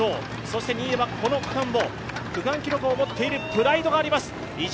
そして、新谷はこの区間記録を持っているプライドがあります。